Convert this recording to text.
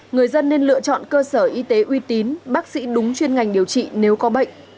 người dân nên lựa chọn cơ sở y tế uy tín bác sĩ đúng chuyên ngành điều trị nếu có bệnh